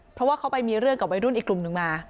เพราะว่าเขาไปมีเรื่องกับวัยรุ่นอีกกลุ่มหนึ่งมา